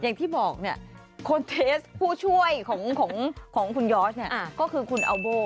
อย่างที่บอกเนี่ยคนเทสผู้ช่วยของคุณยอสเนี่ยก็คือคุณอัลโบ